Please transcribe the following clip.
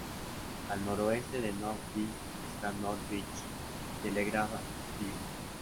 Al noroeste de Nob Hill está North Beach y Telegraph Hill.